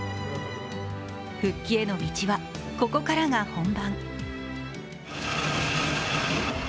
復帰への道はここからが本番。